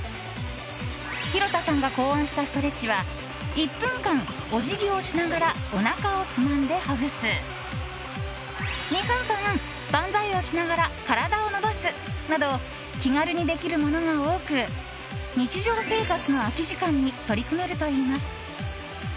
廣田さんが考案したストレッチは１分間、おじぎをしながらおなかをつまんでほぐす２分間、万歳をしながら体を伸ばすなど気軽にできるものが多く日常生活の空き時間に取り組めるといいます。